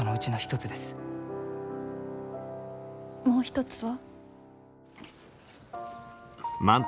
もう一つは？